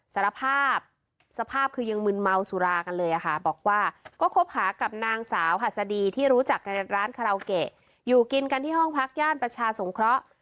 สารภาพสภาพคือยังมึนเมาสุรากันเลยค่ะบอกว่าก็คบหากับนางสาวหัสดีที่รู้จักในร้านคาราโอเกะอยู่กินกันที่ห้องพักย่านประชาสงเคราะห์